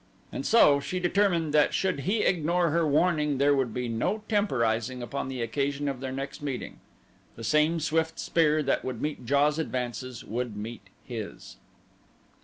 And so she determined that should he ignore her warning there would be no temporizing upon the occasion of their next meeting the same swift spear that would meet JA's advances would meet his.